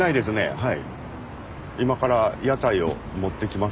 はい。